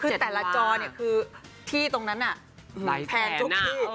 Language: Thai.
คือแต่ละจอเนี่ยคือที่ตรงนั้นน่ะหลายแผนจุกที่